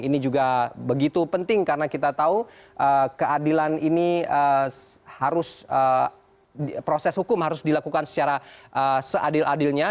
ini juga begitu penting karena kita tahu keadilan ini harus proses hukum harus dilakukan secara seadil adilnya